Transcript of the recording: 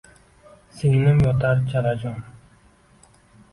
— Singlim yotar chalajon.